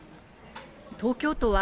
東京都は、